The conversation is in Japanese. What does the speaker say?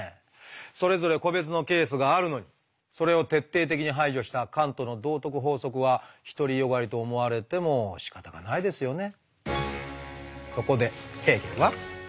それぞれ個別のケースがあるのにそれを徹底的に排除したカントの道徳法則は独り善がりと思われてもしかたがないですよね？